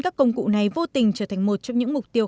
các công cụ này vô tình trở thành một trong những mục tiêu